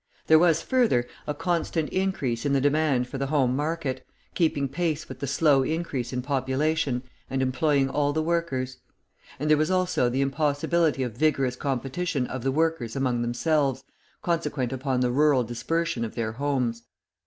There was, further, a constant increase in the demand for the home market, keeping pace with the slow increase in population and employing all the workers; and there was also the impossibility of vigorous competition of the workers among themselves, consequent upon the rural dispersion of their homes.